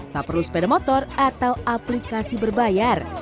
tak perlu sepeda motor atau aplikasi berbayar